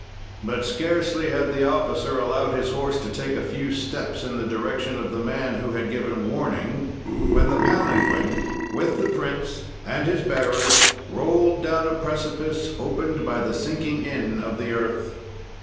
"But scarcely had the officer allowed his horse to take a few steps in the direction of the man who had given warning when the palanquin, with the prince and his bearers, rolled down a precipice, opened by the sinking in of the earth.